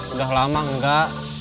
udah lama enggak